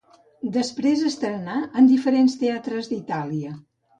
Després estrenà en diferents teatres d'Itàlia.